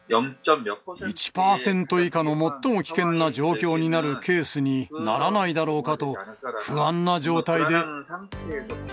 １％以下の最も危険な状況になるケースにならないだろうかと、不安な状態で。